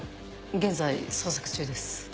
現在捜索中です。